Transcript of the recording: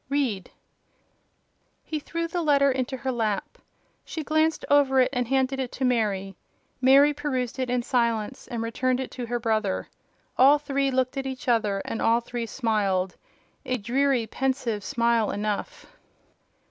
Read." He threw the letter into her lap. She glanced over it, and handed it to Mary. Mary perused it in silence, and returned it to her brother. All three looked at each other, and all three smiled—a dreary, pensive smile enough.